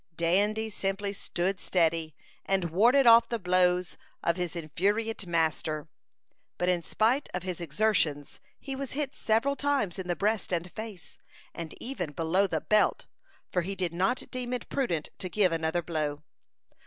Dandy simply stood steady, and warded off the blows of his infuriate master; but in spite of his exertions he was hit several times in the breast and face, and even "below the belt," for he did not deem it prudent to give another blow.